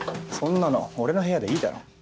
そんなの俺の部屋でいいだろ。